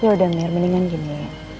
yaudah mir mendingan gini